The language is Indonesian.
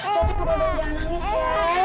cantik udah dan jangan nangis ya